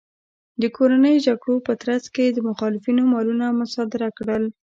د کورنیو جګړو په ترڅ کې یې د مخالفینو مالونه مصادره کړل